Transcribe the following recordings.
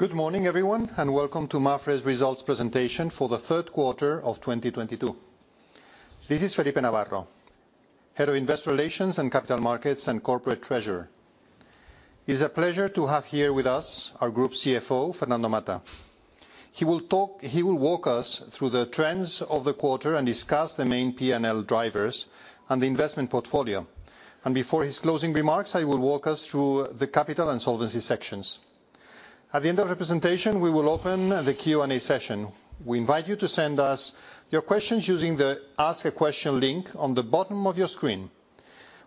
Good morning, everyone, and welcome to Mapfre's results presentation for the Q3 of 2022. This is Felipe Navarro, Head of Investor Relations and Capital Markets and Corporate Treasurer. It's a pleasure to have here with us our Group CFO, Fernando Mata. He will walk us through the trends of the quarter and discuss the main P&L drivers and the investment portfolio. Before his closing remarks, he will walk us through the capital and solvency sections. At the end of the presentation, we will open the Q&A session. We invite you to send us your questions using the Ask a Question link on the bottom of your screen.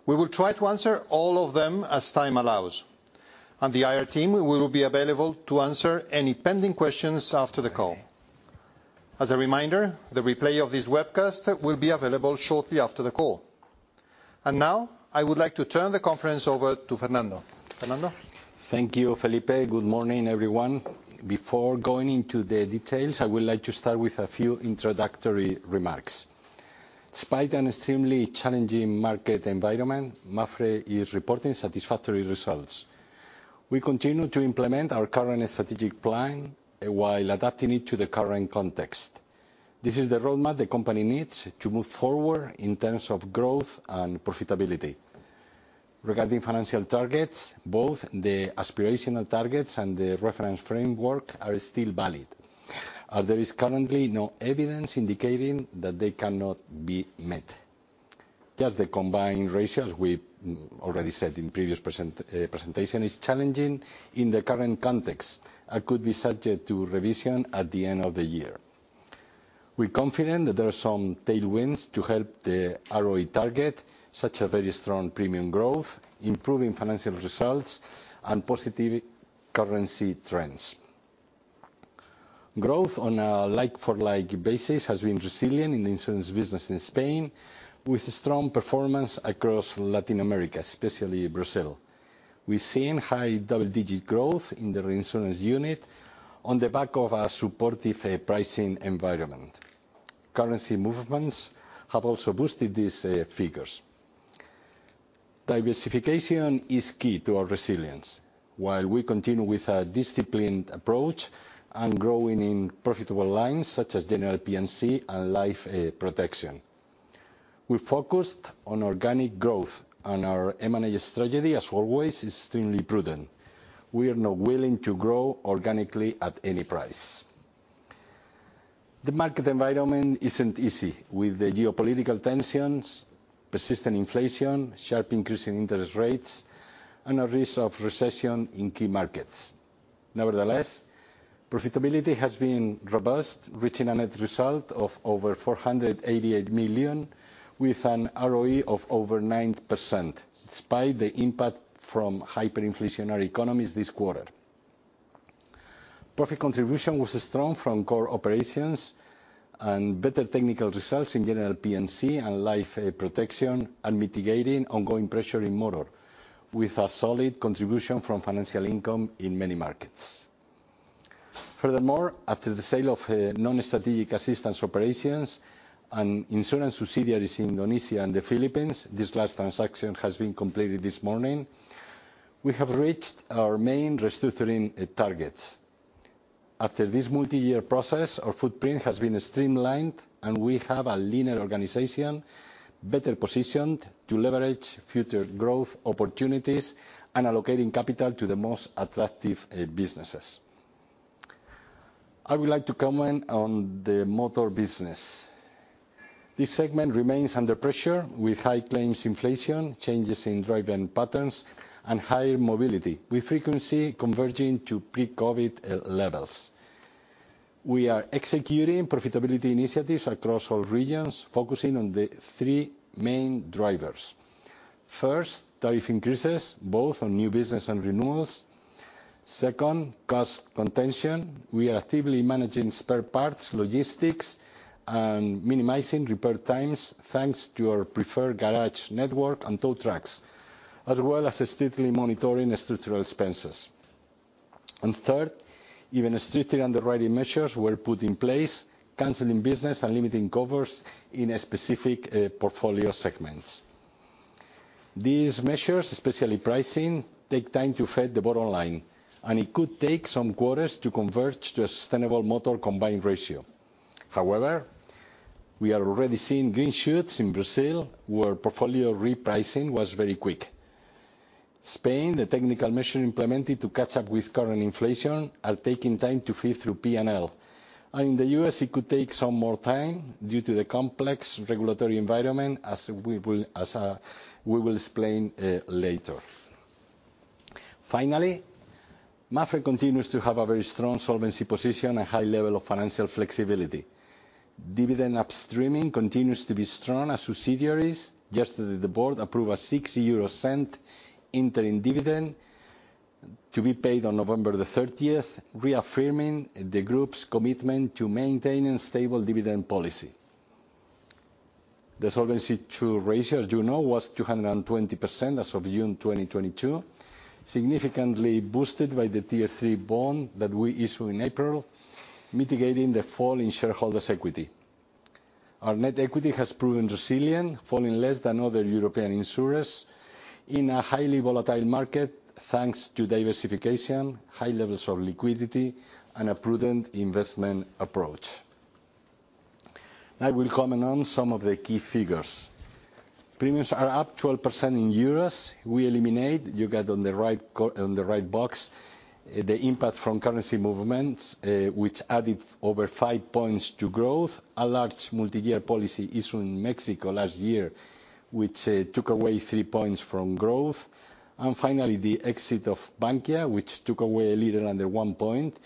We will try to answer all of them as time allows. The IR team will be available to answer any pending questions after the call. As a reminder, the replay of this webcast will be available shortly after the call. Now, I would like to turn the conference over to Fernando. Fernando. Thank you, Felipe. Good morning, everyone. Before going into the details, I would like to start with a few introductory remarks. Despite an extremely challenging market environment, Mapfre is reporting satisfactory results. We continue to implement our current strategic plan while adapting it to the current context. This is the roadmap the company needs to move forward in terms of growth and profitability. Regarding financial targets, both the aspirational targets and the reference framework are still valid, as there is currently no evidence indicating that they cannot be met. Just the combined ratio we already said in previous presentation is challenging in the current context and could be subject to revision at the end of the year. We're confident that there are some tailwinds to help the ROE target, such as very strong premium growth, improving financial results, and positive currency trends. Growth on a like-for-like basis has been resilient in the insurance business in Spain, with strong performance across Latin America, especially Brazil. We've seen high double-digit growth in the reinsurance unit on the back of a supportive pricing environment. Currency movements have also boosted these figures. Diversification is key to our resilience, while we continue with a disciplined approach and growing in profitable lines such as general P&C and life protection. We focused on organic growth, and our M&A strategy, as always, is extremely prudent. We are not willing to grow organically at any price. The market environment isn't easy with the geopolitical tensions, persistent inflation, sharp increase in interest rates, and a risk of recession in key markets. Nevertheless, profitability has been robust, reaching a net result of over 488 million, with an ROE of over 9%, despite the impact from hyperinflationary economies this quarter. Profit contribution was strong from core operations and better technical results in general P&C and life protection, and mitigating ongoing pressure in motor, with a solid contribution from financial income in many markets. Furthermore, after the sale of non-strategic assistance operations and insurance subsidiaries in Indonesia and the Philippines, this last transaction has been completed this morning. We have reached our main restructuring targets. After this multi-year process, our footprint has been streamlined and we have a leaner organization, better positioned to leverage future growth opportunities and allocating capital to the most attractive businesses. I would like to comment on the motor business. This segment remains under pressure with high claims inflation, changes in driving patterns, and higher mobility, with frequency converging to pre-COVID levels. We are executing profitability initiatives across all regions, focusing on the three main drivers. First, tariff increases, both on new business and renewals. Second, cost contention. We are actively managing spare parts, logistics, and minimizing repair times, thanks to our preferred garage network and tow trucks, as well as strictly monitoring structural expenses. Third, even stricter underwriting measures were put in place, canceling business and limiting covers in a specific portfolio segments. These measures, especially pricing, take time to affect the bottom line, and it could take some quarters to converge to a sustainable motor combined ratio. However, we are already seeing green shoots in Brazil, where portfolio repricing was very quick. Spain, the technical measures implemented to catch up with current inflation are taking time to feed through P&L. In the U.S., it could take some more time due to the complex regulatory environment, as we will explain later. Finally, Mapfre continues to have a very strong solvency position and high level of financial flexibility. Dividend upstreaming continues to be strong as subsidiaries. Yesterday, the board approved a 0.60 interim dividend to be paid on November the thirtieth, reaffirming the group's commitment to maintain a stable dividend policy. The Solvency II ratio, as you know, was 220% as of June 2022, significantly boosted by the Tier 3 bond that we issued in April, mitigating the fall in shareholders' equity. Our net equity has proven resilient, falling less than other European insurers in a highly volatile market, thanks to diversification, high levels of liquidity, and a prudent investment approach. Now I will comment on some of the key figures. Premiums are up 12% in EUR. We eliminate the impact from currency movements, which added over five points to growth. A large multi-year policy issued in Mexico last year, which took away three points from growth. Finally, the exit of Bankia, which took away a little under one point.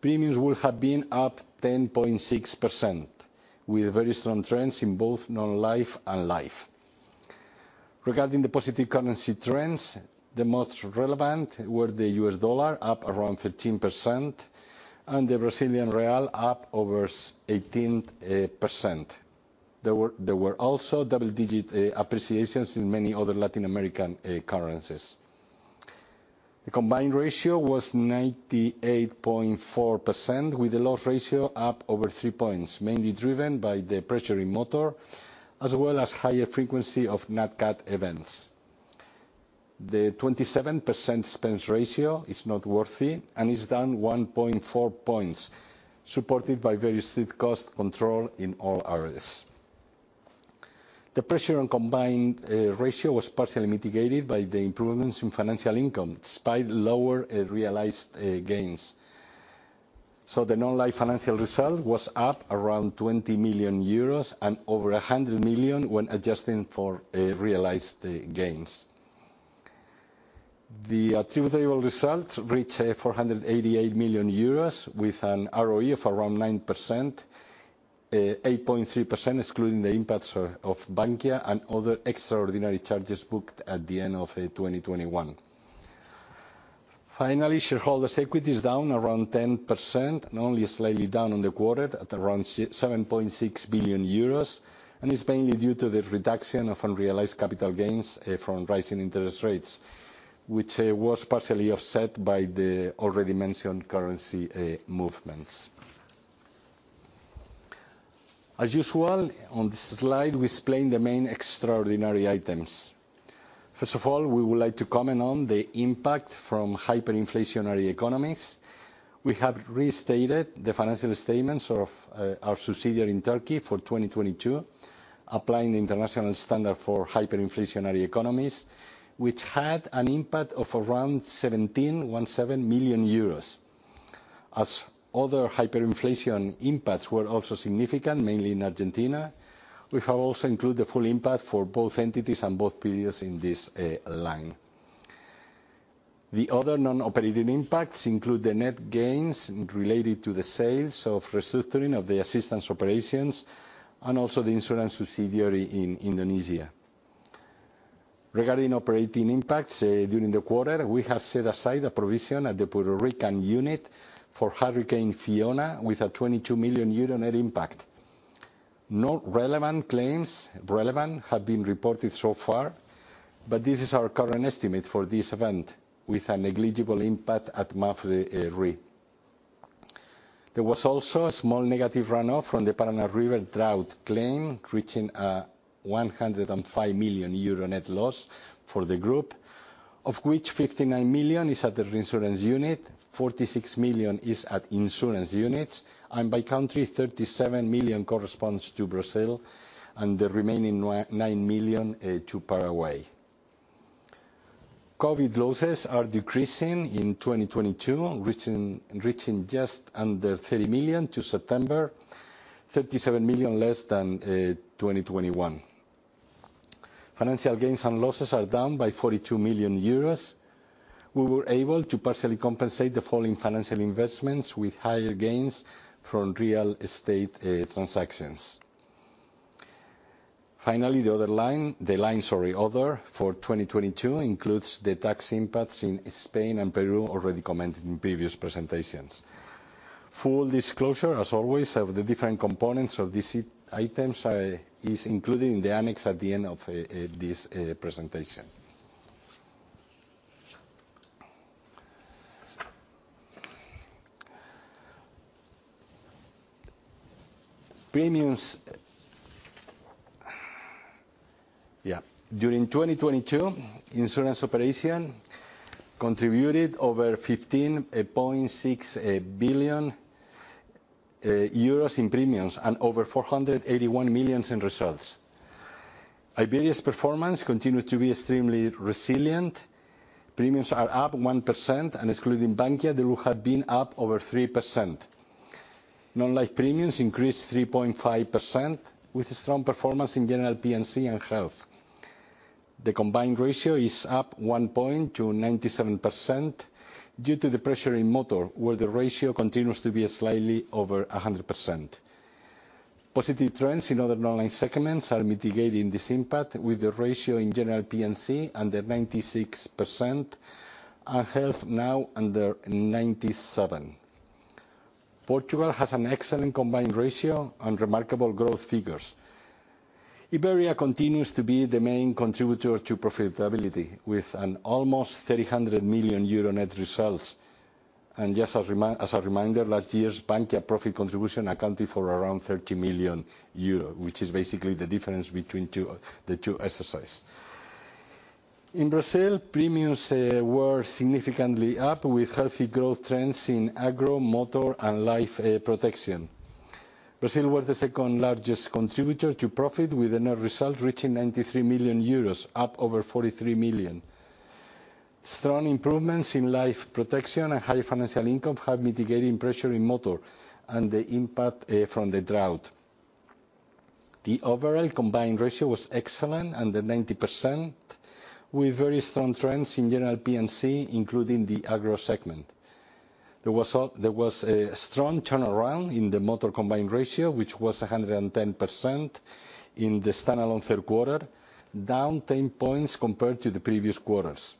Premiums would have been up 10.6%, with very strong trends in both non-life and life. Regarding the positive currency trends, the most relevant were the U.S. dollar, up around 13%, and the Brazilian real up over 18%. There were also double-digit appreciations in many other Latin American currencies. The combined ratio was 98.4%, with the loss ratio up over three points, mainly driven by the pressure in motor, as well as higher frequency of Nat Cat events. The 27% expense ratio is noteworthy, and is down 1.4 points, supported by very strict cost control in all areas. The pressure on combined ratio was partially mitigated by the improvements in financial income, despite lower realized gains. The non-life financial result was up around 20 million euros and over 100 million when adjusting for realized gains. The attributable results reach 488 million euros with an ROE of around 9%, 8.3% excluding the impacts of Bankia and other extraordinary charges booked at the end of 2021. Finally, shareholders' equity is down around 10% and only slightly down on the quarter at around 7.6 billion euros, and it's mainly due to the reduction of unrealized capital gains from rising interest rates, which was partially offset by the already mentioned currency movements. As usual, on this slide we explain the main extraordinary items. First of all, we would like to comment on the impact from hyperinflationary economies. We have restated the financial statements of our subsidiary in Turkey for 2022, applying the international standard for hyperinflationary economies, which had an impact of around 17.17 million euros. As other hyperinflation impacts were also significant, mainly in Argentina, we have also included the full impact for both entities and both periods in this line. The other non-operating impacts include the net gains related to the sale or restructuring of the assistance operations and also the insurance subsidiary in Indonesia. Regarding operating impacts, during the quarter, we have set aside a provision at the Puerto Rican unit for Hurricane Fiona with a 22 million net impact. No relevant claims have been reported so far, but this is our current estimate for this event, with a negligible impact at Mapfre Re. There was also a small negative runoff from the Paraná River drought claim, reaching a 105 million euro net loss for the group, of which 59 million is at the reinsurance unit, 46 million is at insurance units, and by country, 37 million corresponds to Brazil and the remaining 9 million to Paraguay. COVID losses are decreasing in 2022, reaching just under 30 million to September, 37 million less than 2021. Financial gains and losses are down by 42 million euros. We were able to partially compensate the fall in financial investments with higher gains from real estate transactions. Finally, the other for 2022 includes the tax impacts in Spain and Peru already commented in previous presentations. Full disclosure, as always, of the different components of these items is included in the annex at the end of this presentation. Premiums. During 2022, insurance operation contributed over 15.6 billion euros in premiums and over 481 million in results. Iberia's performance continued to be extremely resilient. Premiums are up 1%, and excluding Bankia, they would have been up over 3%. Non-life premiums increased 3.5% with strong performance in general P&C and health. The combined ratio is up 1 point to 97% due to the pressure in motor, where the ratio continues to be slightly over 100%. Positive trends in other non-life segments are mitigating this impact with the ratio in general P&C under 96% and health now under 97%. Portugal has an excellent combined ratio and remarkable growth figures. Iberia continues to be the main contributor to profitability with an almost 300 million euro net results. Just as a reminder, last year's Bankia profit contribution accounted for around 30 million euros, which is basically the difference between the two exercises. In Brazil, premiums were significantly up with healthy growth trends in agro, motor, and life protection. Brazil was the second largest contributor to profit with a net result reaching 93 million euros, up over 43 million. Strong improvements in life protection and high financial income have mitigated pressure in motor and the impact from the drought. The overall combined ratio was excellent under 90% with very strong trends in general P&C, including the agro segment. There was a strong turnaround in the motor combined ratio, which was 110% in the standalone Q3, down 10 points compared to the previous quarters.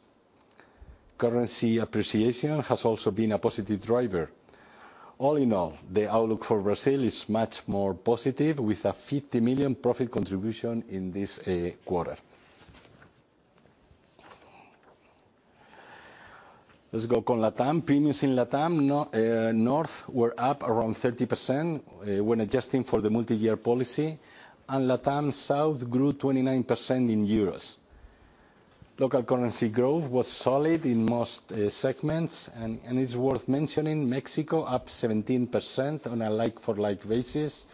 Currency appreciation has also been a positive driver. All in all, the outlook for Brazil is much more positive with a 50 million profit contribution in this quarter. Let's go on Latam. Premiums in Latam North were up around 30%, when adjusting for the multi-year policy. Latam South grew 29% in euros. Local currency growth was solid in most segments. It's worth mentioning Mexico up 17% on a like-for-like basis.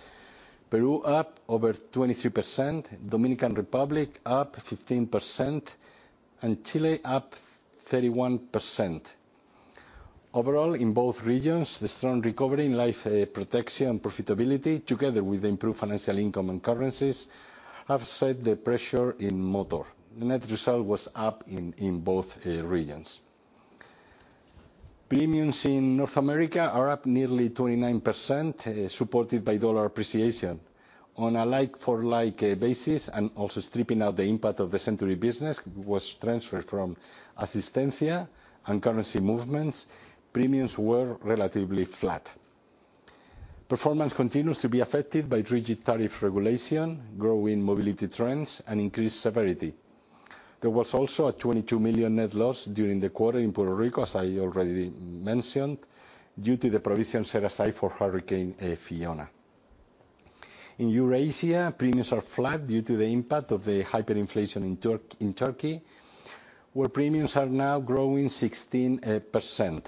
Peru up over 23%. Dominican Republic up 15%. Chile up thirty-one percent. Overall, in both regions, the strong recovery in life protection and profitability, together with improved financial income and currencies, have offset the pressure in motor. Net result was up in both regions. Premiums in North America are up nearly 29%, supported by U.S. dollar appreciation. On a like-for-like basis and also stripping out the impact of the Century business was transferred from Asistencia and currency movements, premiums were relatively flat. Performance continues to be affected by rigid tariff regulation, growing mobility trends, and increased severity. There was also a 22 million net loss during the quarter in Puerto Rico, as I already mentioned, due to the provision set aside for Hurricane Fiona. In Eurasia, premiums are flat due to the impact of the hyperinflation in Turkey, where premiums are now growing 16%.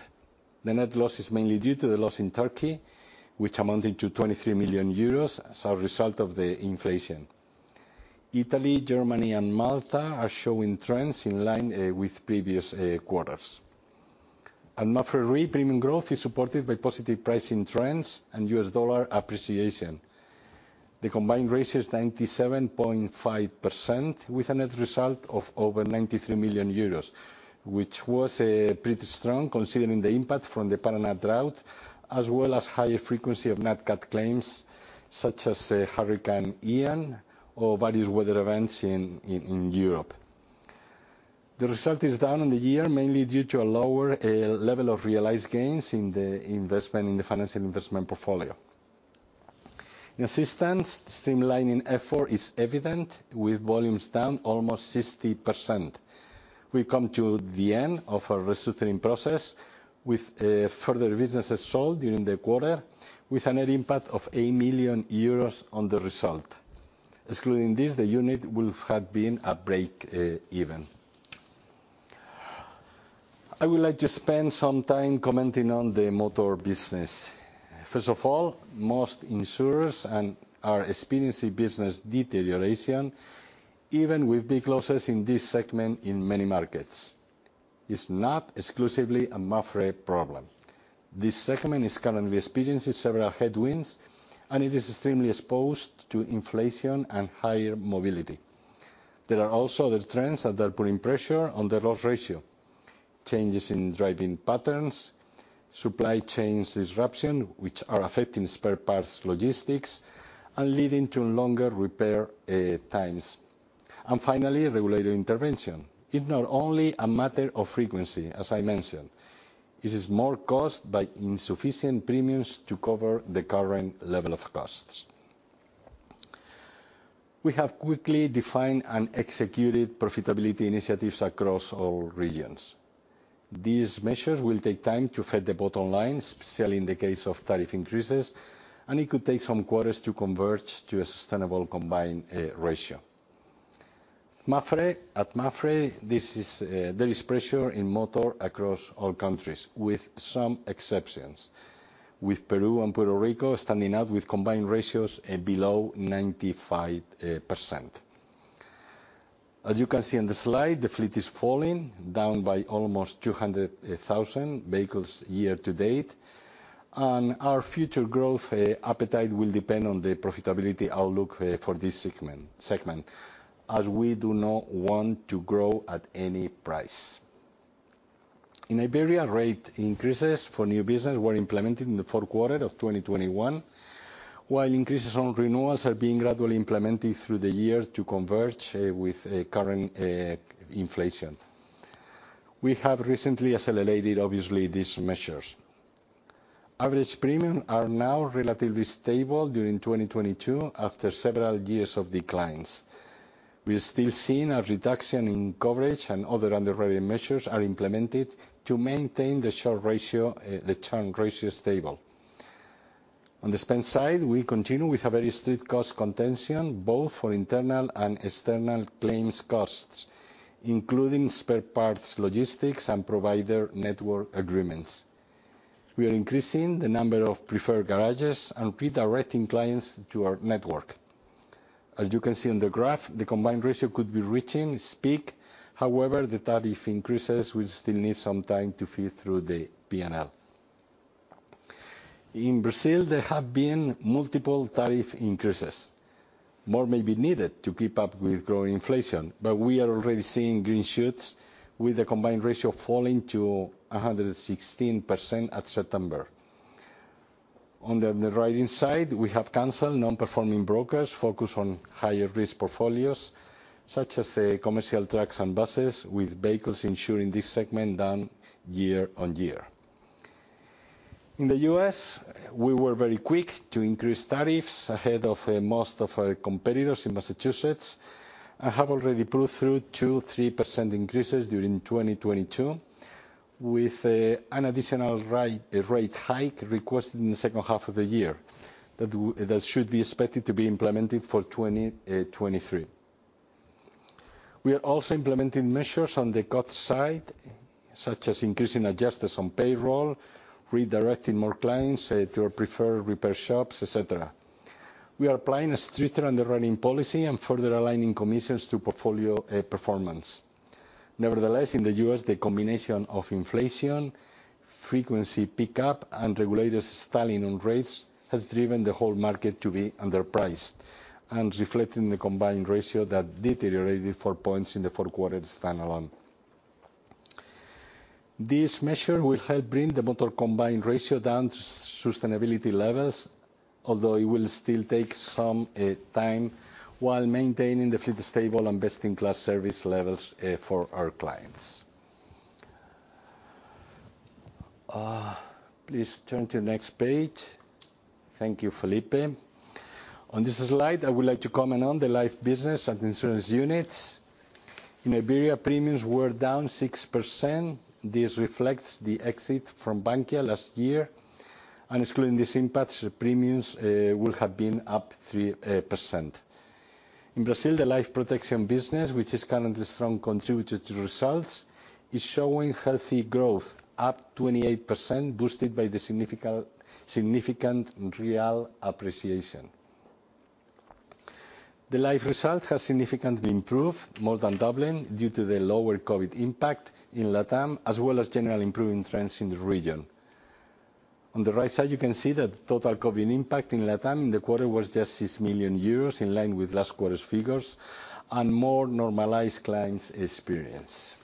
The net loss is mainly due to the loss in Turkey, which amounted to 23 million euros as a result of the inflation. Italy, Germany, and Malta are showing trends in line with previous quarters. At Mapfre Re, premium growth is supported by positive pricing trends and U.S. dollar appreciation. The combined ratio is 97.5% with a net result of over 93 million euros, which was pretty strong considering the impact from the Paraná drought as well as higher frequency of Nat Cat claims, such as Hurricane Ian or various weather events in Europe. The result is down on the year, mainly due to a lower level of realized gains in the investment, in the financial investment portfolio. In assistance, streamlining effort is evident with volumes down almost 60%. We come to the end of a restructuring process with further businesses sold during the quarter with a net impact of 8 million euros on the result. Excluding this, the unit would have been breakeven. I would like to spend some time commenting on the motor business. First of all, most insurers and ours are experiencing business deterioration, even with big losses in this segment in many markets. It's not exclusively a Mapfre problem. This segment is currently experiencing several headwinds, and it is extremely exposed to inflation and higher mobility. There are also other trends that are putting pressure on the loss ratio. Changes in driving patterns. Supply chain disruptions, which are affecting spare parts logistics and leading to longer repair times. Finally, regulatory intervention is not only a matter of frequency, as I mentioned. It is more caused by insufficient premiums to cover the current level of costs. We have quickly defined and executed profitability initiatives across all regions. These measures will take time to affect the bottom line, especially in the case of tariff increases, and it could take some quarters to converge to a sustainable combined ratio. At Mapfre, there is pressure in motor across all countries with some exceptions, with Peru and Puerto Rico standing out with combined ratios at below 95%. As you can see on the slide, the fleet is falling, down by almost 200,000 vehicles year-to-date. Our future growth appetite will depend on the profitability outlook for this segment, as we do not want to grow at any price. In Iberia, rate increases for new business were implemented in the Q4 of 2021, while increases on renewals are being gradually implemented through the year to converge with current inflation. We have recently accelerated, obviously, these measures. Average premium are now relatively stable during 2022 after several years of declines. We are still seeing a reduction in coverage and other underwriting measures are implemented to maintain the loss ratio, the expense ratio stable. On the spend side, we continue with a very strict cost containment, both for internal and external claims costs, including spare parts, logistics, and provider network agreements. We are increasing the number of preferred garages and redirecting clients to our network. As you can see on the graph, the combined ratio could be reaching its peak. However, the tariff increases will still need some time to feed through the P&L. In Brazil, there have been multiple tariff increases. More may be needed to keep up with growing inflation, but we are already seeing green shoots with the combined ratio falling to 116% at September. On the underwriting side, we have canceled non-performing brokers, focused on higher risk portfolios, such as commercial trucks and buses, with volumes in this segment down year on year. In the U.S., we were very quick to increase tariffs ahead of most of our competitors in Massachusetts, and have already pushed through 2-3% increases during 2022, with an additional rate hike requested in the H2 of the year that should be expected to be implemented for 2023. We are also implementing measures on the cost side, such as increasing adjusters on payroll, redirecting more clients to our preferred repair shops, et cetera. We are applying a stricter underwriting policy and further aligning commissions to portfolio performance. Nevertheless, in the U.S., the combination of inflation, frequency pickup, and regulators stalling on rates has driven the whole market to be underpriced and reflecting the combined ratio that deteriorated four points in the Q4 standalone. These measures will help bring the motor combined ratio down to sustainability levels, although it will still take some time, while maintaining the fleet stable and best-in-class service levels for our clients. Please turn to next page. Thank you, Felipe. On this slide, I would like to comment on the life business and insurance units. In Iberia, premiums were down 6%. This reflects the exit from Bankia last year. Excluding this impact, premiums will have been up 3%. In Brazil, the life protection business, which is currently strong contributor to results, is showing healthy growth, up 28%, boosted by the significant real appreciation. The life results has significantly improved, more than doubling, due to the lower COVID impact in Latam, as well as general improving trends in the region. On the right side, you can see that total COVID impact in Latam in the quarter was just 6 million euros, in line with last quarter's figures, and more normalized claims experience.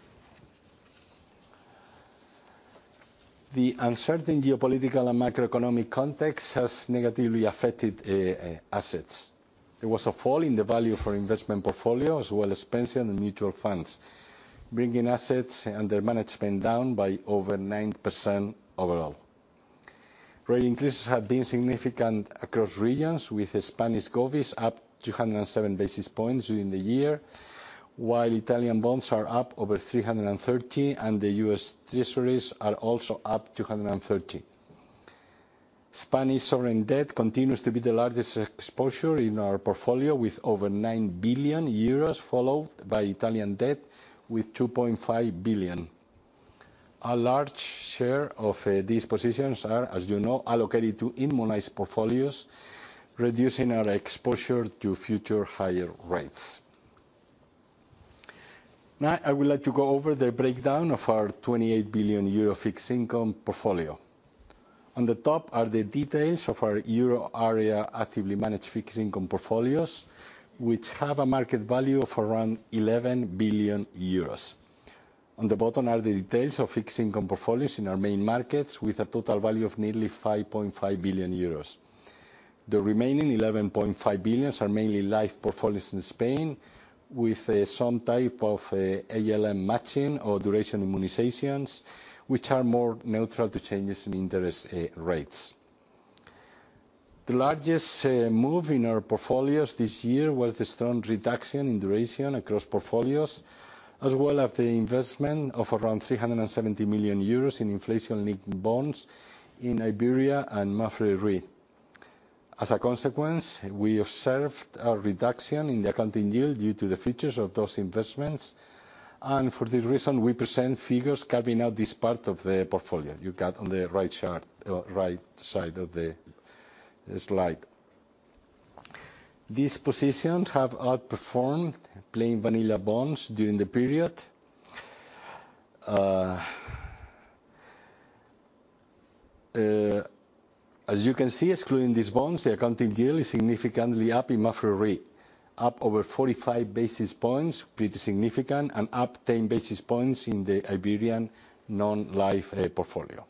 The uncertain geopolitical and macroeconomic context has negatively affected assets. There was a fall in the value for investment portfolio as well as pension and mutual funds, bringing assets under management down by over 9% overall. Rate increases have been significant across regions, with Spanish govies up 207 basis points during the year, while Italian bonds are up over 330, and the U.S. Treasuries are also up 230. Spanish sovereign debt continues to be the largest exposure in our portfolio, with over 9 billion euros, followed by Italian debt with 2.5 billion. A large share of these positions are, as you know, allocated to immunized portfolios, reducing our exposure to future higher rates. Now, I would like to go over the breakdown of our 28 billion euro fixed income portfolio. On the top are the details of our euro area actively managed fixed income portfolios, which have a market value of around 11 billion euros. On the bottom are the details of fixed income portfolios in our main markets, with a total value of nearly 5.5 billion euros. The remaining 11.5 billion are mainly life portfolios in Spain, with some type of ALM matching or duration immunizations which are more neutral to changes in interest rates. The largest move in our portfolios this year was the strong reduction in duration across portfolios, as well as the investment of around 370 million euros in inflation-linked bonds in Iberia and Mapfre Re. As a consequence, we observed a reduction in the accounting yield due to the features of those investments. For this reason, we present figures capping out this part of the portfolio. You got on the right chart, or right side of the slide. These positions have outperformed plain vanilla bonds during the period. As you can see, excluding these bonds, the accounting yield is significantly up in Mapfre Re, up over 45 basis points, pretty significant, and up 10 basis points in the Iberian non-life portfolio.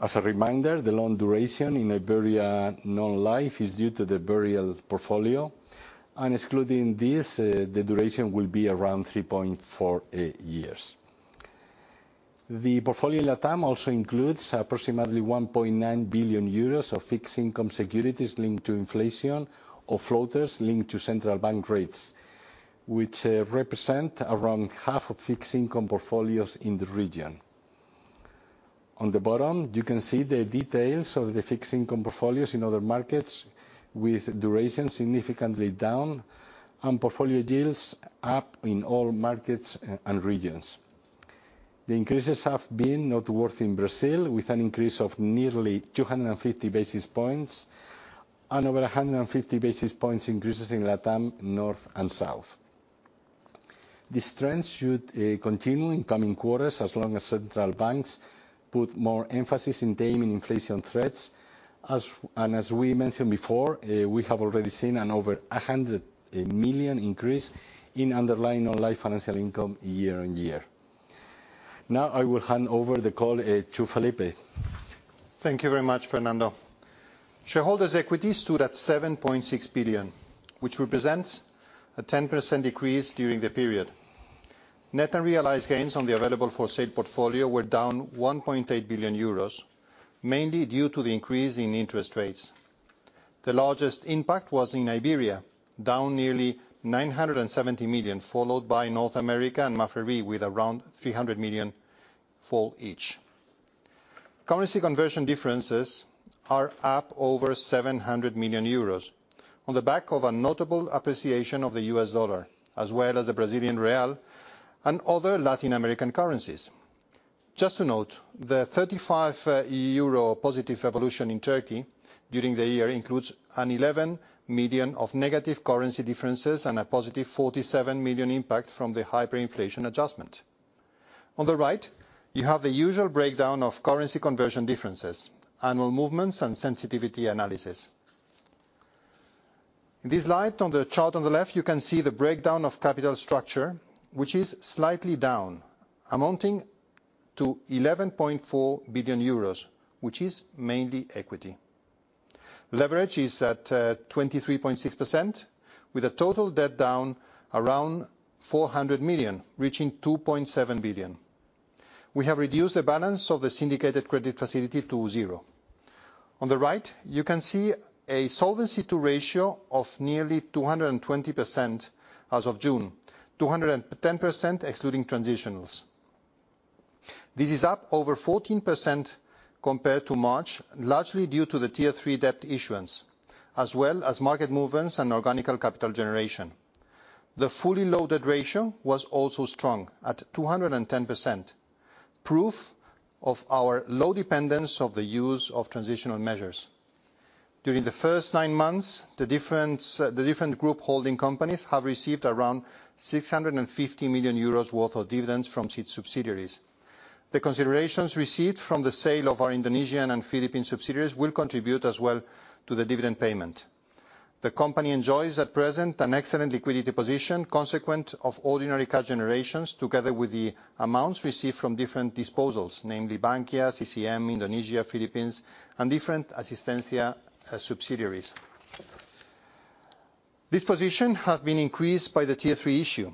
As a reminder, the long duration in Iberian non-life is due to the burial portfolio. Excluding this, the duration will be around 3.4 years. The portfolio in LatAm also includes approximately 1.9 billion euros of fixed income securities linked to inflation or floaters linked to central bank rates, which represent around half of fixed income portfolios in the region. On the bottom, you can see the details of the fixed income portfolios in other markets with duration significantly down and portfolio yields up in all markets and regions. The increases have been noteworthy in Brazil, with an increase of nearly 250 basis points and over 150 basis points increases in LatAm North and South. This trend should continue in coming quarters as long as central banks put more emphasis in taming inflation threats. As we mentioned before, we have already seen an over 100 million increase in underlying non-life financial income year-on-year. Now I will hand over the call to Felipe. Thank you very much, Fernando. Shareholders' equity stood at 7.6 billion, which represents a 10% decrease during the period. Net and realized gains on the available-for-sale portfolio were down 1.8 billion euros, mainly due to the increase in interest rates. The largest impact was in Iberia, down nearly 970 million, followed by North America and Mapfre Re with around 300 million fall each. Currency conversion differences are up over 700 million euros on the back of a notable appreciation of the U.S. dollar, as well as the Brazilian real and other Latin American currencies. Just to note, the 35 euro positive evolution in Turkey during the year includes an 11 million of negative currency differences and a positive 47 million impact from the hyperinflation adjustment. On the right, you have the usual breakdown of currency conversion differences, annual movements, and sensitivity analysis. In this light, on the chart on the left, you can see the breakdown of capital structure, which is slightly down, amounting to 11.4 billion euros, which is mainly equity. Leverage is at 23.6%, with a total debt down around 400 million, reaching 2.7 billion. We have reduced the balance of the syndicated credit facility to zero. On the right, you can see a Solvency II ratio of nearly 220% as of June, 210% excluding transitionals. This is up over 14% compared to March, largely due to the Tier 3 debt issuance, as well as market movements and organic capital generation. The fully loaded ratio was also strong at 210%, proof of our low dependence on the use of transitional measures. During the first nine months, the different group holding companies have received around 650 million euros worth of dividends from sub-subsidiaries. The considerations received from the sale of our Indonesian and Philippine subsidiaries will contribute as well to the dividend payment. The company enjoys at present an excellent liquidity position consequent of ordinary cash generations, together with the amounts received from different disposals, namely Bankia, CCM, Indonesia, Philippines, and different Asistencia subsidiaries. This position has been increased by the tier three issue.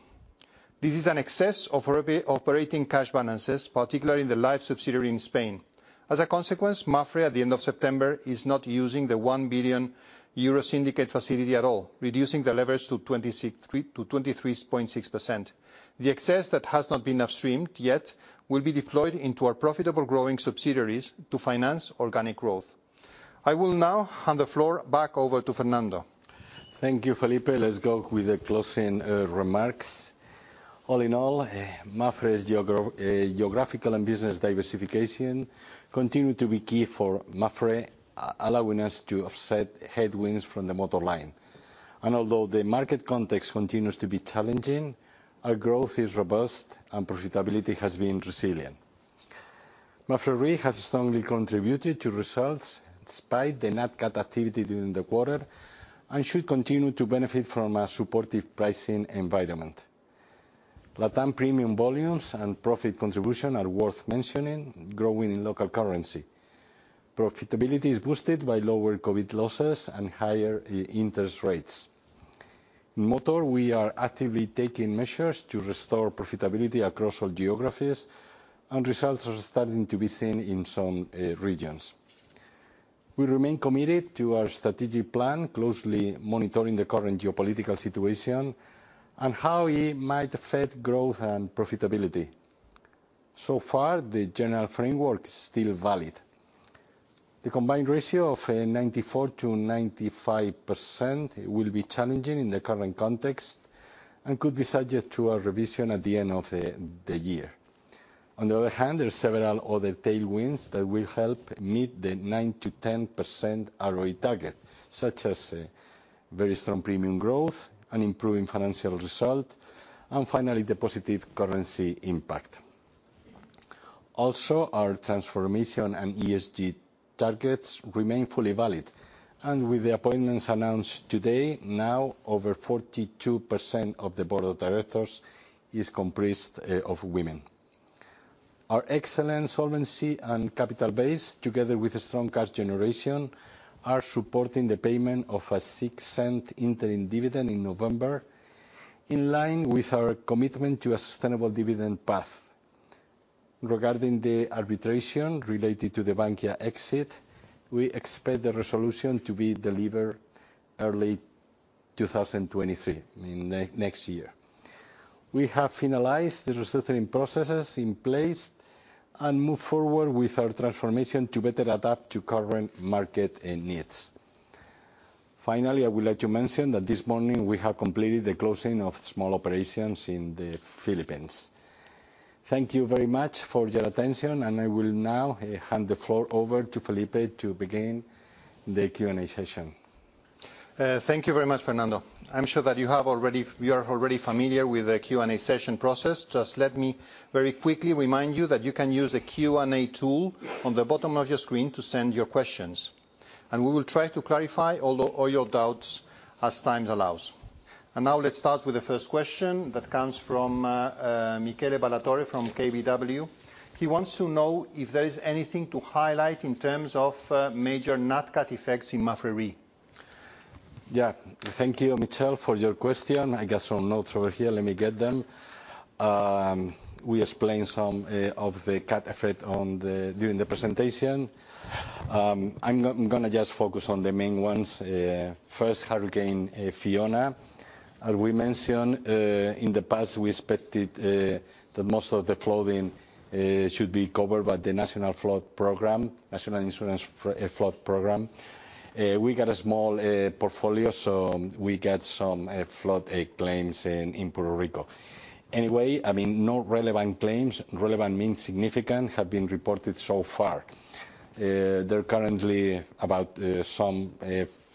This is an excess of operating cash balances, particularly in the life subsidiary in Spain. As a consequence, Mapfre at the end of September is not using the 1 billion euro syndicated facility at all, reducing the leverage to 26.3 to 23.6%. The excess that has not been upstreamed yet will be deployed into our profitable growing subsidiaries to finance organic growth. I will now hand the floor back over to Fernando. Thank you, Felipe. Let's go with the closing remarks. All in all, Mapfre's geographical and business diversification continue to be key for Mapfre, allowing us to offset headwinds from the motor line. Although the market context continues to be challenging, our growth is robust and profitability has been resilient. Mapfre Re has strongly contributed to results despite the Net Cat activity during the quarter and should continue to benefit from a supportive pricing environment. LatAm premium volumes and profit contribution are worth mentioning, growing in local currency. Profitability is boosted by lower COVID losses and higher interest rates. In motor, we are actively taking measures to restore profitability across all geographies, and results are starting to be seen in some regions. We remain committed to our strategic plan, closely monitoring the current geopolitical situation and how it might affect growth and profitability. So far, the general framework's still valid. The combined ratio of 94%-95% will be challenging in the current context and could be subject to a revision at the end of the year. On the other hand, there are several other tailwinds that will help meet the 9%-10% ROE target, such as very strong premium growth and improving financial result, and finally, the positive currency impact. Also, our transformation and ESG targets remain fully valid, and with the appointments announced today, now over 42% of the board of directors is comprised of women. Our excellent solvency and capital base, together with strong cash generation, are supporting the payment of a €0.06 interim dividend in November, in line with our commitment to a sustainable dividend path. Regarding the arbitration related to the Bankia exit, we expect the resolution to be delivered early 2023, in next year. We have finalized the restructuring processes in place and moved forward with our transformation to better adapt to current market needs. Finally, I would like to mention that this morning we have completed the closing of small operations in the Philippines. Thank you very much for your attention, and I will now hand the floor over to Felipe to begin the Q&A session. Thank you very much, Fernando. I'm sure that you are already familiar with the Q&A session process. Just let me very quickly remind you that you can use the Q&A tool on the bottom of your screen to send your questions. We will try to clarify all your doubts as time allows. Now let's start with the first question that comes from Michele Ballatore from KBW. He wants to know if there is anything to highlight in terms of major Nat Cat effects in Mapfre Re. Yeah. Thank you, Michele, for your question. I got some notes over here. Let me get them. We explained some of the cat effect during the presentation. I'm gonna just focus on the main ones. First, Hurricane Fiona. As we mentioned in the past, we expected that most of the flooding should be covered by the National Flood Insurance Program. We got a small portfolio, so we get some flood claims in Puerto Rico. Anyway, I mean, no relevant claims, relevant means significant, have been reported so far.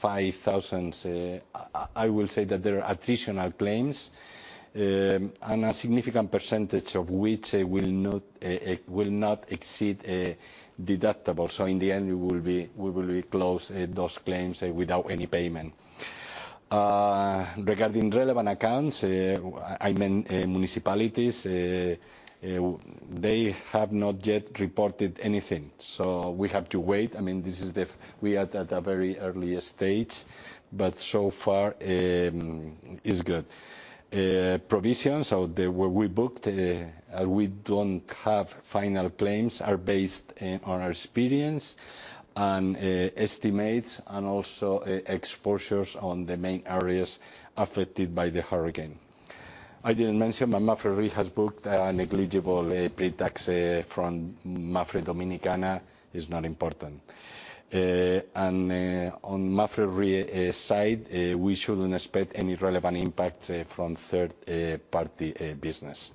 There are currently about 5,000 additional claims, and a significant percentage of which will not exceed a deductible. In the end, we will be closing those claims without any payment. Regarding relevant accounts, I mean, municipalities, they have not yet reported anything. We have to wait. I mean, this is the We are at a very early stage, but so far, is good. Provisions or the where we booked, we don't have final claims, are based on our experience and estimates and also exposures on the main areas affected by the hurricane. I didn't mention, but Mapfre Re has booked a negligible pre-tax from Mapfre Dominicana. It's not important. On Mapfre Re side, we shouldn't expect any relevant impact from third party business.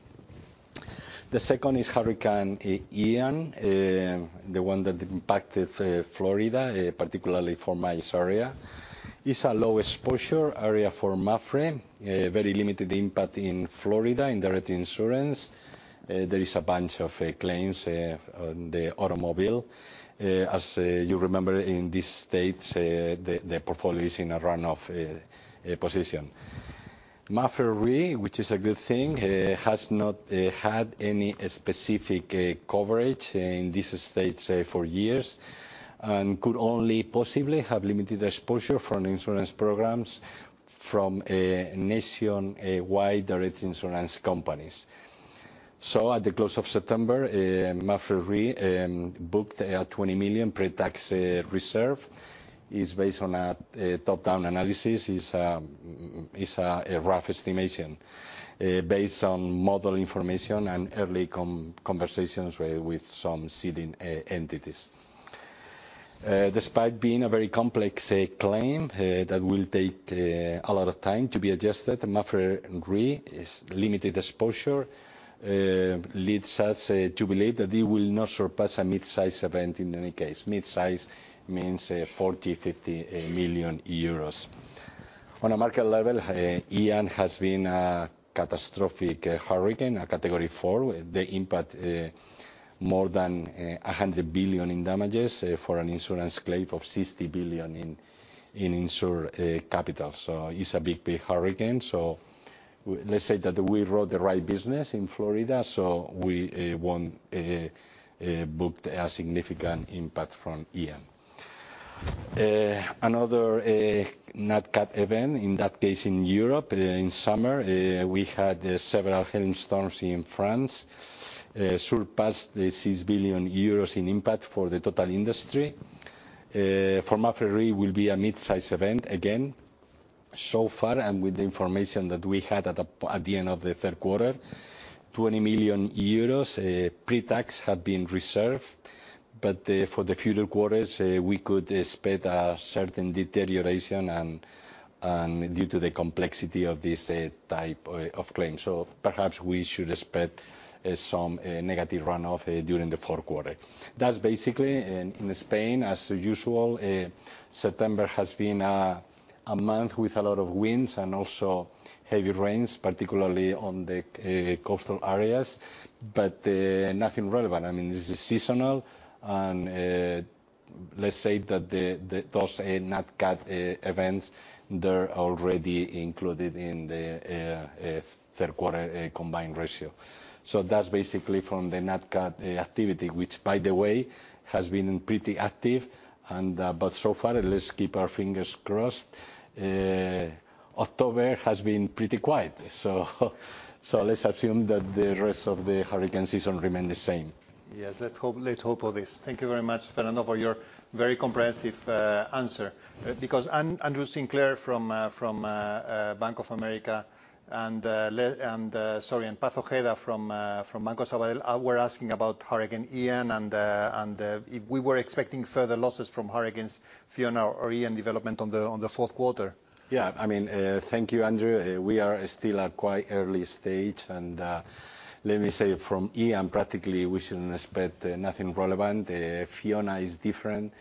The second is Hurricane Ian, the one that impacted Florida, particularly Fort Myers area. It's a low exposure area for Mapfre, a very limited impact in Florida, in direct insurance. There is a bunch of claims on the automobile. As you remember in this state, the portfolio is in a runoff position. Mapfre Re, which is a good thing, has not had any specific coverage in this state, say, for years, and could only possibly have limited exposure from insurance programs from nationwide direct insurance companies. At the close of September, Mapfre Re booked a 20 million pre-tax reserve. It's based on a top-down analysis. It's a rough estimation based on model information and early conversations with some ceding entities. Despite being a very complex claim that will take a lot of time to be adjusted, Mapfre Re's limited exposure leads us to believe that they will not surpass a mid-size event in any case. Mid-size means 40-50 million euros. On a market level, Ian has been a catastrophic hurricane, a Category 4. The impact more than 100 billion in damages for an insurance claim of 60 billion in insured capital. It's a big hurricane. Let's say that we wrote the right business in Florida, so we won't book a significant impact from Ian. Another Nat Cat event, in that case in Europe, in summer, we had several hailstorms in France surpassing 6 billion euros in impact for the total industry. For Mapfre Re will be a mid-size event again. So far, with the information that we had at the end of the Q3, 20 million euros pre-tax had been reserved. For the future quarters, we could expect a certain deterioration and due to the complexity of this type of claim. Perhaps we should expect some negative runoff during the Q4. That's basically in Spain, as usual, September has been a month with a lot of winds and also heavy rains, particularly on the coastal areas, but nothing relevant. I mean, this is seasonal and, let's say that those Nat Cat events, they're already included in the Q3 combined ratio. That's basically from the Nat Cat activity, which by the way has been pretty active and, but so far, let's keep our fingers crossed. October has been pretty quiet. Let's assume that the rest of the hurricane season remain the same. Yes. Let's hope all this. Thank you very much, Fernando, for your very comprehensive answer. Because Andrew Sinclair from Bank of America and Patricia Ojeda from Banco Sabadell were asking about Hurricane Ian and if we were expecting further losses from Hurricanes Fiona or Ian development on the Q4. Yeah. I mean, thank you, Andrew. We are still at quite early stage and let me say from Ian, practically we shouldn't expect nothing relevant. Fiona is different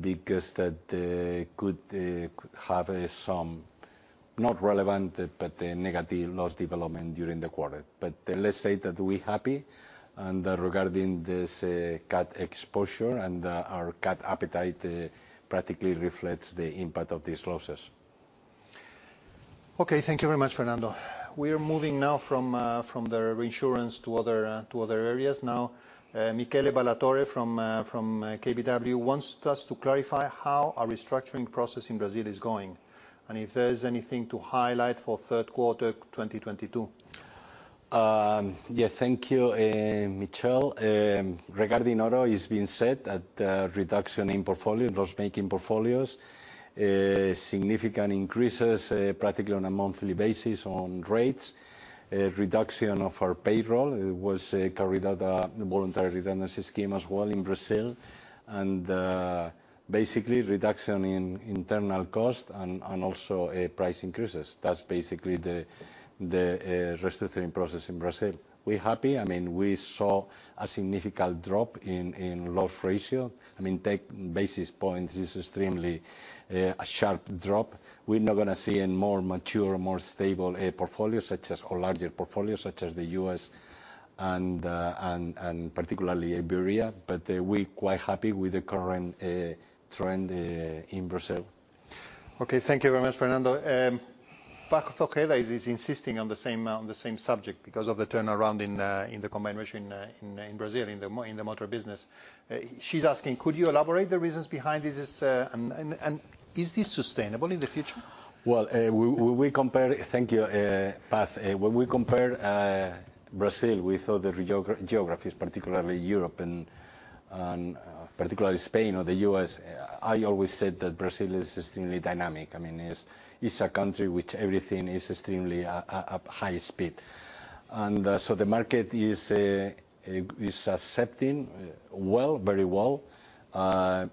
because that could have some relevant but negative loss development during the quarter. But let's say that we're happy regarding this cat exposure and our cat appetite practically reflects the impact of these losses. Okay. Thank you very much, Fernando. We are moving now from the reinsurance to other areas now. Michele Ballatore from KBW wants us to clarify how our restructuring process in Brazil is going, and if there's anything to highlight for Q3 2022. Yeah. Thank you, Michele. Regarding Auto, it's been said that reduction in portfolio, loss-making portfolios, significant increases practically on a monthly basis on rates. Reduction of our payroll was carried out, voluntary redundancy scheme as well in Brazil. Basically reduction in internal cost and also price increases. That's basically the restructuring process in Brazil. We're happy. I mean, we saw a significant drop in loss ratio. I mean, take basis points is extremely a sharp drop. We're now gonna see a more mature, more stable portfolio such as or larger portfolio such as the U.S. and particularly Iberia. We're quite happy with the current trend in Brazil. Okay, thank you very much, Fernando. Patricia Ojeda is insisting on the same subject because of the turnaround in the combined ratio in Brazil in the motor business. She's asking, could you elaborate the reasons behind this, and is this sustainable in the future? Thank you, Patricia. When we compare Brazil with other geographies, particularly Europe and particularly Spain or the U.S., I always said that Brazil is extremely dynamic. I mean, it's a country which everything is extremely high speed. The market is accepting well, very well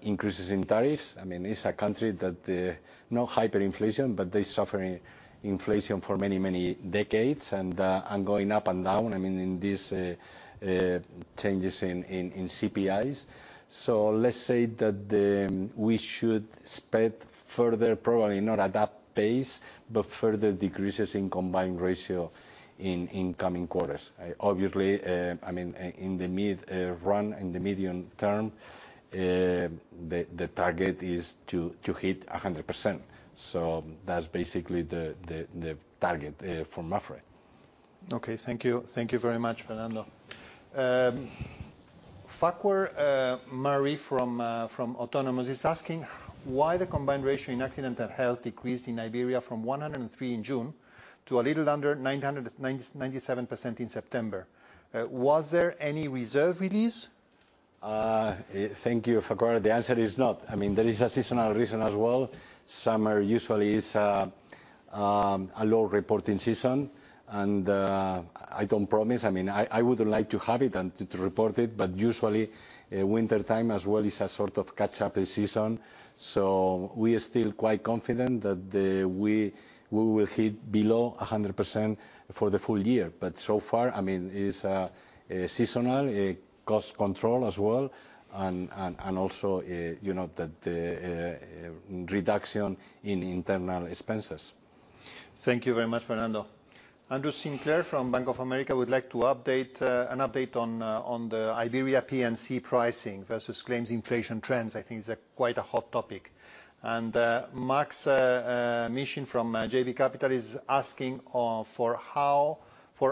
increases in tariffs. I mean, it's a country that no hyperinflation, but they're suffering inflation for many decades and going up and down, I mean, in these changes in CPIs. Let's say that we should expect further, probably not at that pace, but further decreases in combined ratio in upcoming quarters. Obviously, I mean, in the medium run, in the medium term, the target is to hit 100%. That's basically the target for Mapfre. Okay. Thank you. Thank you very much, Fernando. Farquhar Murray from Autonomous is asking why the combined ratio in accident and health decreased in Iberia from 103% in June to a little under 97% in September. Was there any reserve release? Thank you, Farquhar. The answer is not. I mean, there is a seasonal reason as well. Summer usually is a low reporting season. I don't promise, I mean, I would like to have it and to report it, but usually, wintertime as well is a sort of catch-up season. We are still quite confident that we will hit below 100% for the full year. So far, I mean, it's a seasonal, a cost control as well and also, you know, the reduction in internal expenses. Thank you very much, Fernando. Andrew Sinclair from Bank of America would like an update on the Iberia P&C pricing versus claims inflation trends. I think it's quite a hot topic. Maksym Mishyn from JB Capital is asking for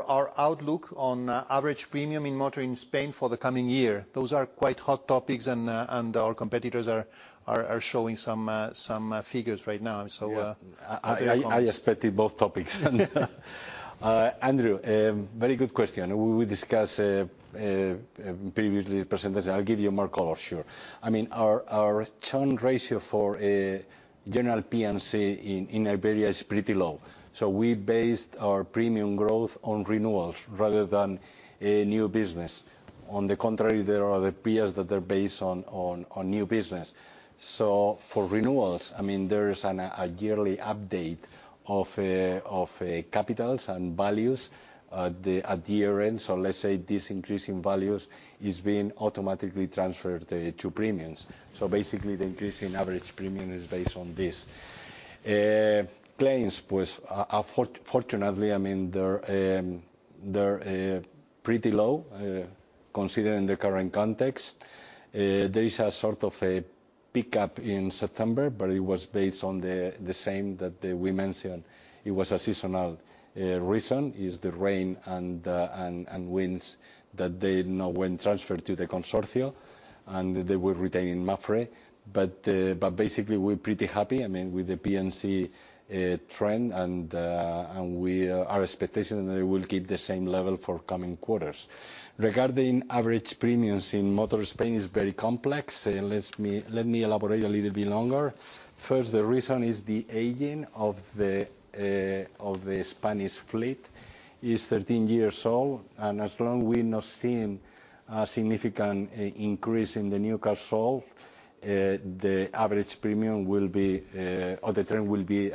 our outlook on average premium in motor in Spain for the coming year. Those are quite hot topics and our competitors are showing some figures right now. Yeah. I expected both topics. Andrew, very good question. We discussed previously the percentage. I'll give you more color, sure. I mean, our churn ratio for general P&C in Iberia is pretty low. We based our premium growth on renewals rather than new business. On the contrary, there are other peers that are based on new business. For renewals, I mean, there is a yearly update of capitals and values, the adherence. Let's say this increase in values is being automatically transferred to premiums. Basically, the increase in average premium is based on this. Claims was fortunately, I mean, they're pretty low considering the current context. There is a sort of a pickup in September, but it was based on the same that we mentioned. It was a seasonal reason, the rain and winds that were not transferred to the Consorcio, and they were retained by Mapfre. Basically we're pretty happy, I mean, with the P&C trend and our expectation that it will keep the same level for coming quarters. Regarding average premiums in Motor Spain is very complex. Let me elaborate a little bit longer. First, the reason is the aging of the Spanish fleet is 13 years old, and as long as we're not seeing a significant increase in the new cars sold, the average premium will be lower, or the trend will be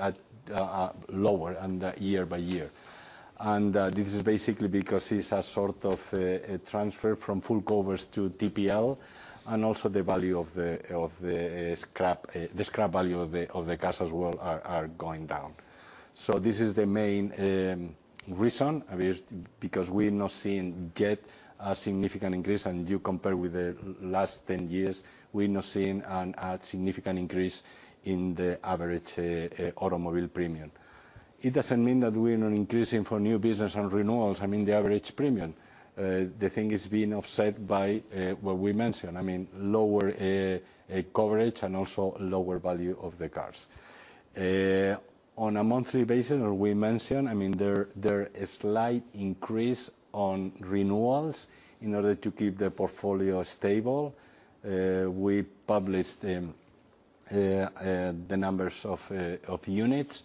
lower year-by-year. This is basically because it's a sort of a transfer from full covers to TPL and also the value of the scrap value of the cars as well are going down. This is the main reason, I mean, because we're not seeing yet a significant increase. You compare with the last 10 years, we're not seeing a significant increase in the average automobile premium. It doesn't mean that we're not increasing for new business and renewals. I mean, the average premium. The thing is being offset by what we mentioned, I mean, lower coverage and also lower value of the cars. On a monthly basis, as we mentioned, I mean, there's a slight increase on renewals in order to keep the portfolio stable. We published the numbers of units.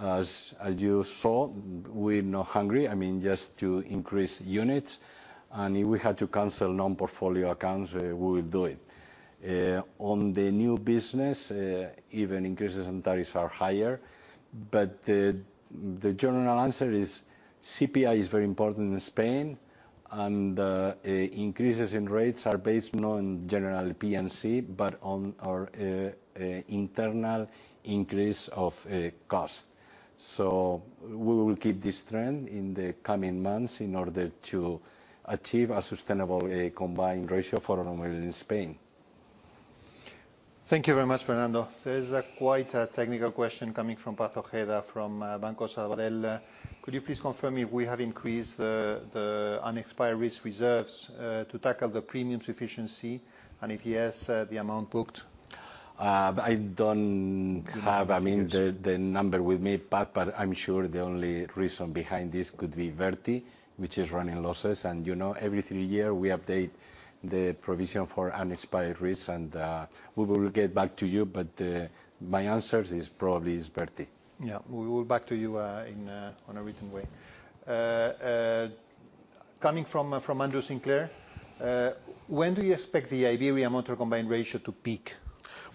As you saw, we're not hungry, I mean, just to increase units, and if we had to cancel non-portfolio accounts, we will do it. On the new business, even increases and tariffs are higher. The general answer is CPI is very important in Spain and increases in rates are based not on general P&C, but on our internal increase of cost. We will keep this trend in the coming months in order to achieve a sustainable combined ratio for automobile in Spain. Thank you very much, Fernando. There is quite a technical question coming from Patricia Ojeda from Banco Sabadell. Could you please confirm if we have increased the unexpired risk reserves to tackle the premiums efficiency? And if yes, the amount booked? I don't have, I mean, the number with me, Pat, but I'm sure the only reason behind this could be Verti, which is running losses. You know, every three year we update the provision for unexpired risks and we will get back to you. My answer is probably Verti. We will get back to you in writing. Coming from Andrew Sinclair, when do you expect the Iberia Motor combined ratio to peak?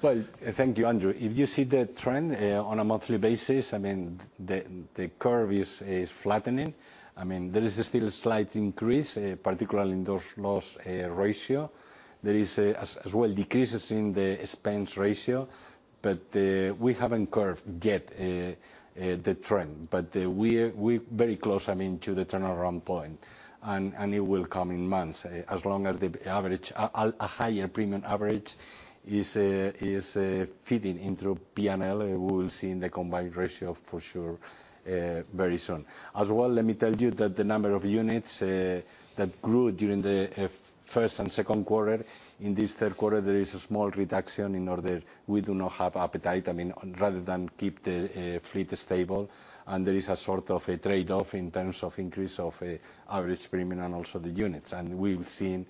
Well, thank you, Andrew. If you see the trend on a monthly basis, I mean, the curve is flattening. I mean, there is still a slight increase particularly in the loss ratio. There is as well decreases in the expense ratio. We haven't reversed yet the trend. We're very close, I mean, to the turnaround point and it will come in months. As long as a higher premium average is filtering in through P&L, we will see in the combined ratio for sure very soon. As well, let me tell you that the number of units that grew during the first and Q2, in this Q3 there is a small reduction because we do not have appetite. I mean, rather than keep the fleet stable and there is a sort of a trade-off in terms of increase of average premium and also the units, and we've seen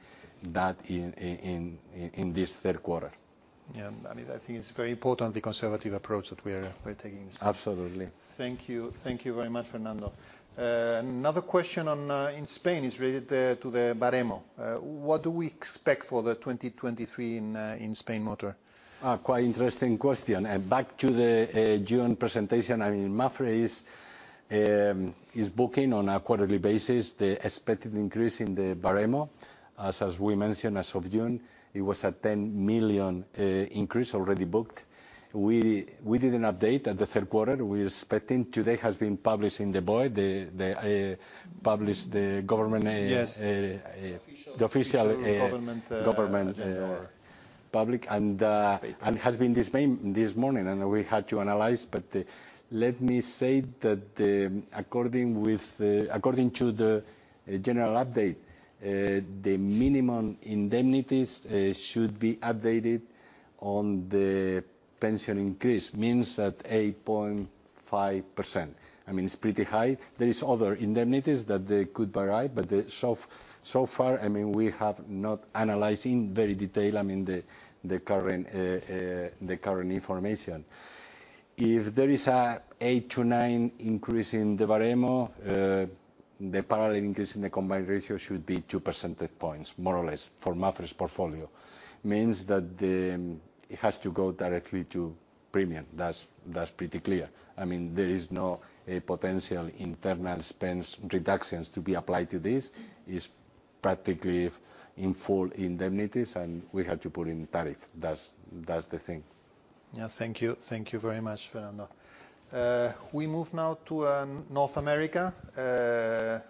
that in this Q3. Yeah. I mean, I think it's very important, the conservative approach that we're taking. Absolutely. Thank you. Thank you very much, Fernando. Another question on in Spain is related to the Baremo. What do we expect for the 2023 in Spain Motor? Quite interesting question. Back to the June presentation, I mean, Mapfre is booking on a quarterly basis the expected increase in the Baremo, as we mentioned. As of June, it was a 10 million increase already booked. We did an update at the Q3. We're expecting. Today has been published in the BOE. The government published Yes Uh- Official The official. Official government. Government. Agenda or- Public and, uh- Paper Has been the main this morning and we had to analyze. Let me say that according to the general update, the minimum indemnities should be updated on the pension increase, means that 8.5%. I mean, it's pretty high. There are other indemnities that they could vary. So far, I mean, we have not analyzing very detail, I mean, the current information. If there is an 8%-9% increase in the Baremo, the parallel increase in the combined ratio should be two percentage points, more or less, for Mapfre's portfolio. Means that it has to go directly to premium. That's pretty clear. I mean, there is no potential internal expense reductions to be applied to this. It's practically in full indemnities, and we had to put in tariff. That's the thing. Yeah, thank you. Thank you very much, Fernando. We move now to North America.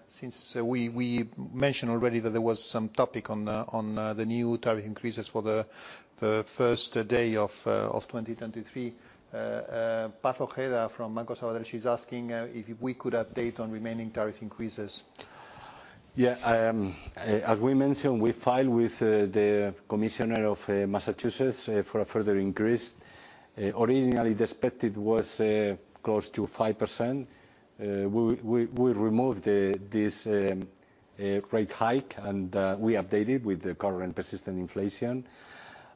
Since we mentioned already that there was some topic on the new tariff increases for the first day of 2023. Patricia Ojeda from Banco Sabadell is asking if we could update on remaining tariff increases. Yeah. As we mentioned, we filed with the commissioner of Massachusetts for a further increase. Originally the expected was close to 5%. We removed this rate hike and we updated with the current persistent inflation.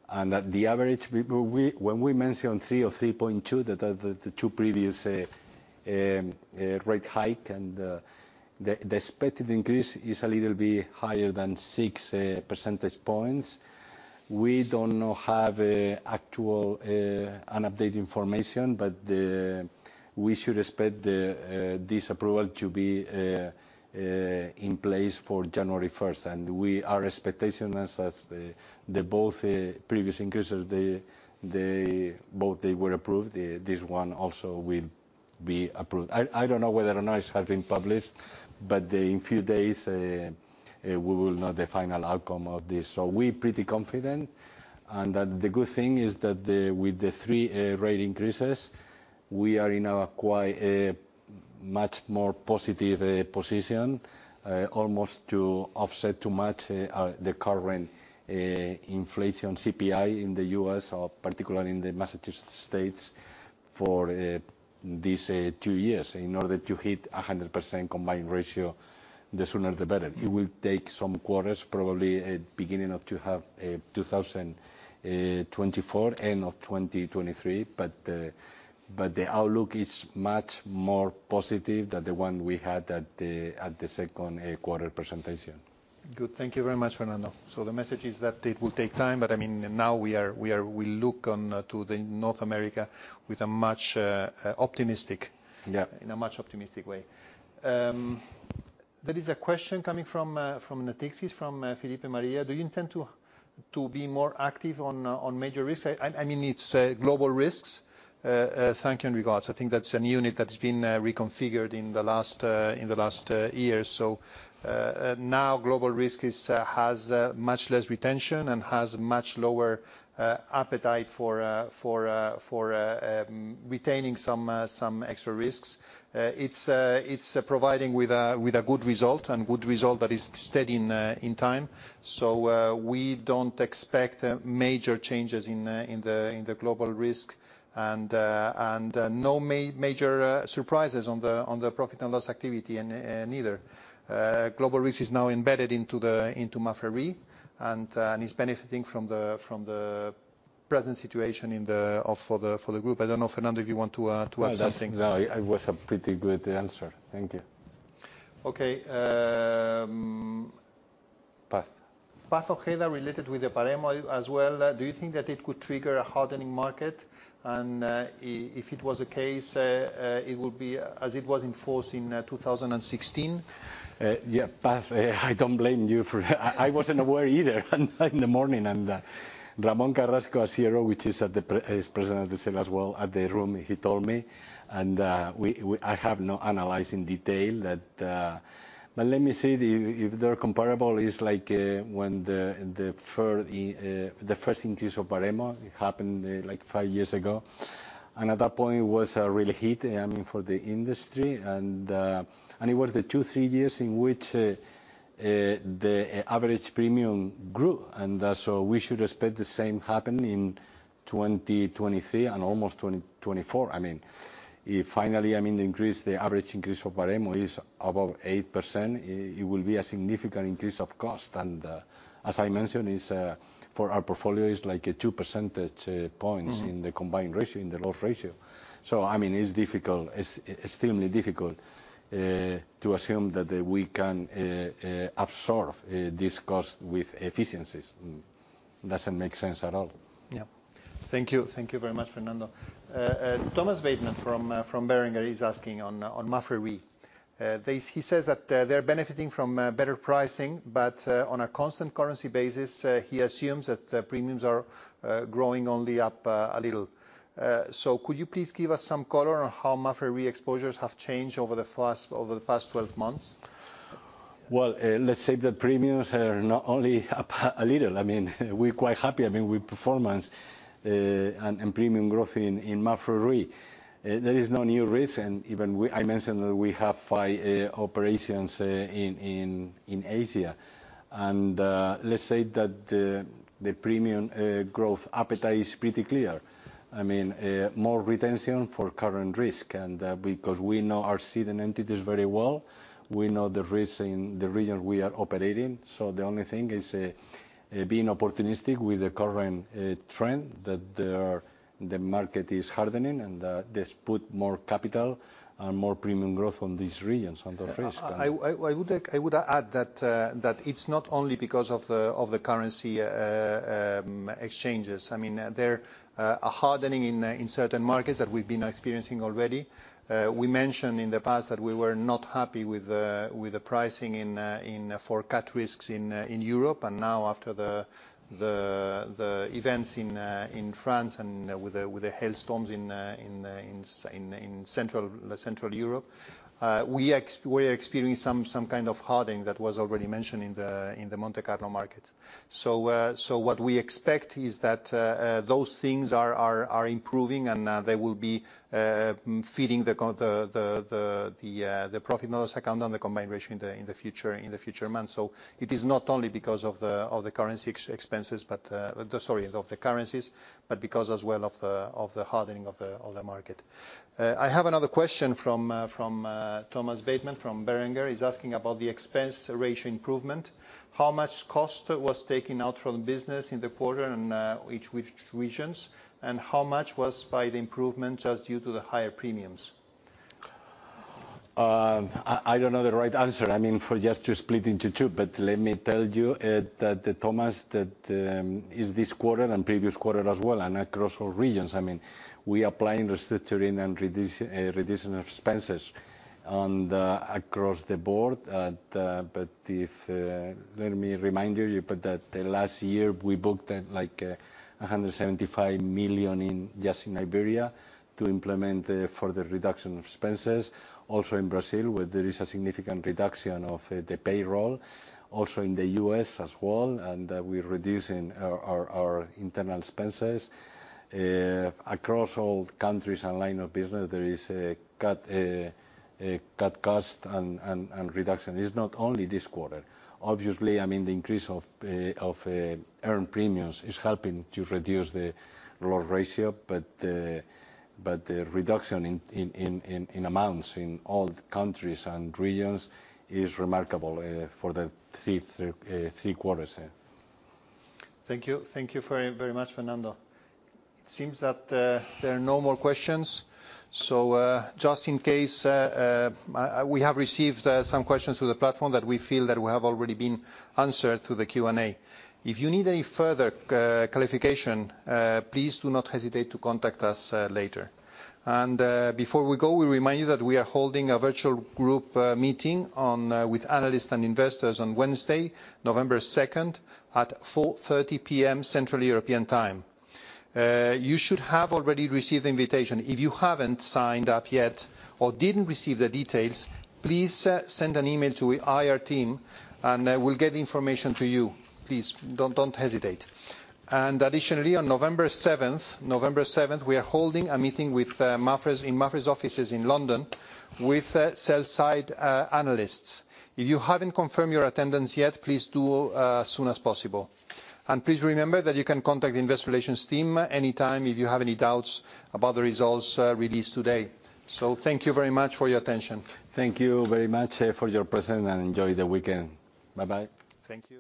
And at the average when we mention three or 3.2, the two previous rate hike and the expected increase is a little bit higher than six percentage points. We don't have actual updated information, but we should expect this approval to be in place for January first. Our expectation as the both previous increases, they both they were approved. This one also will be approved. I don't know whether or not it has been published, but in a few days we will know the final outcome of this. We're pretty confident. The good thing is that with the three rate increases, we are in a quite much more positive position, almost to offset too much the current inflation CPI in the U.S. or particularly in the Massachusetts state for this two years. In order to hit 100% combined ratio, the sooner the better. It will take some quarters, probably at the beginning of the H2 of 2024, end of 2023. The outlook is much more positive than the one we had at the Q2 presentation. Good. Thank you very much, Fernando. The message is that it will take time, but, I mean, now we are looking to North America with a much more optimistic. Yeah In a more optimistic way. There is a question coming from Natixis from Philippe Picquet. Do you intend to be more active on Global Risks? I mean, it's Global Risks. Thanks and regards. I think that's a unit that's been reconfigured in the last year. Now Global Risk has much less retention and has much lower appetite for retaining some extra risks. It's providing with a good result, and good result that is steady in time. We don't expect major changes in the Global Risk and no major surprises on the profit and loss activity and neither. Global risk is now embedded into Mapfre, and it's benefiting from the present situation for the group. I don't know, Fernando, if you want to add something. No, it was a pretty good answer. Thank you. Okay. Path. Patricia Ojeda related with the Baremo as well. Do you think that it could trigger a hardening market? If it was the case, it would be as it was enforced in 2016? Yeah, Patricia Ojeda, I don't blame you. I wasn't aware either until this morning. Ramón Carrasco Acero, who is present, is president of the S.A. as well. In the room, he told me. I have not analyzed in detail that. But let me see if they're comparable, it's like when the first increase of Baremo happened five years ago. At that point, it was a real hit, I mean, for the industry. It was the two to three years in which the average premium grew. We should expect the same happen in 2023 and almost 2024. I mean, if finally the average increase of Baremo is above 8%, it will be a significant increase of cost. As I mentioned, it's for our portfolio, it's like two percentage points. Mm-hmm In the combined ratio, in the loss ratio. I mean, it's difficult, it's extremely difficult to assume that we can absorb this cost with efficiencies. Doesn't make sense at all. Yeah. Thank you. Thank you very much, Fernando. Thomas Bateman from Berenberg is asking on Mapfre. He says that they're benefiting from better pricing, but on a constant currency basis, he assumes that premiums are growing only up a little. Could you please give us some color on how Mapfre exposures have changed over the past 12 months? Well, let's say the premiums are not only up a little. I mean, we're quite happy. I mean, our performance and premium growth in Mapfre. There is no new risk. I mentioned that we have five operations in Asia. Let's say that the premium growth appetite is pretty clear. I mean, more retention for current risk. Because we know our cedants and entities very well, we know the risk in the region we are operating. The only thing is being opportunistic with the current trend. The market is hardening and this put more capital and more premium growth on these regions on the first one. I would add that it's not only because of the currency exchanges. I mean, there's a hardening in certain markets that we've been experiencing already. We mentioned in the past that we were not happy with the pricing for cat risks in Europe. Now after the events in France and with the hail storms in Central Europe, we are experiencing some kind of hardening that was already mentioned in the Monte Carlo market. What we expect is that those things are improving and they will be feeding the profit and loss account and the combined ratio in the future months. It is not only because of the currencies, but because as well of the hardening of the market. I have another question from Thomas Bateman from Berenberg. He's asking about the expense ratio improvement. How much cost was taken out from business in the quarter and which regions, and how much was by the improvements due to the higher premiums? I don't know the right answer. I mean, for just to split into two. Let me tell you, Thomas, is this quarter and previous quarter as well and across all regions. I mean, we applying the structuring and reduction of expenses across the board. Let me remind you that last year we booked, like, 175 million just in Iberia to implement further reduction expenses. Also in Brazil, where there is a significant reduction of the payroll. Also in the U.S. as well, and we're reducing our internal expenses. Across all countries and line of business there is a cost cut and reduction. It is not only this quarter. Obviously, I mean, the increase of earned premiums is helping to reduce the loss ratio. The reduction in amounts in all the countries and regions is remarkable for the three quarters, yeah. Thank you. Thank you very, very much, Fernando. It seems that there are no more questions. Just in case, we have received some questions through the platform that we feel that we have already been answered through the Q&A. If you need any further clarification, please do not hesitate to contact us later. Before we go, we remind you that we are holding a virtual group meeting with analysts and investors on Wednesday, November 2nd at 4:30 P.M. Central European Time. You should have already received the invitation. If you haven't signed up yet or didn't receive the details, please send an email to IR team and we'll get the information to you. Please don't hesitate. Additionally, on November 7th, we are holding a meeting in Mapfre's offices in London with sell-side analysts. If you haven't confirmed your attendance yet, please do as soon as possible. Please remember that you can contact the investor relations team anytime if you have any doubts about the results released today. Thank you very much for your attention. Thank you very much, for your presence, and enjoy the weekend. Bye-bye. Thank you.